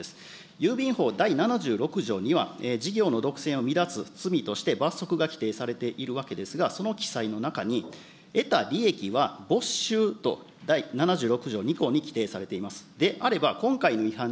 郵便法第７６条には、事業の独占を乱す罪として罰則が規定されているわけですが、その記載の中に得た利益は没収と第７６条２項に規定されています。